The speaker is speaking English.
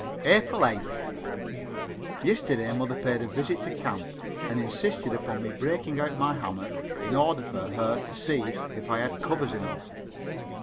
April 8th. Yesterday mother paid a visit to camp and insisted upon me breaking out my hammock in order for her to see if I had covers enough.